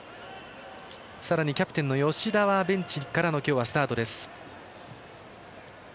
さらにキャプテンの吉田は今日はベンチからのスタート。